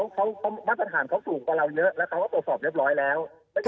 คืออันนั้นบ้านประธานเขาสูงกว่าเราเยอะแล้วเขาก็ตรวจสอบเรียบร้อยแล้ว